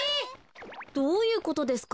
どういうことですか？